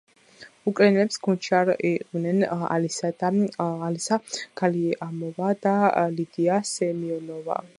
უკრაინელების გუნდში არ იყვნენ ალისა გალიამოვა და ლიდია სემიონოვა.